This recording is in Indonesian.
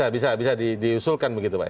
bisa bisa diusulkan begitu pak ya